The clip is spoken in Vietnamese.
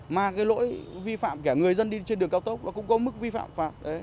mà cái lỗi vi phạm kẻ người dân đi trên đường cao tốc nó cũng có mức vi phạm phạt